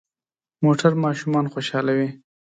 موټر ماشومان خوشحالوي.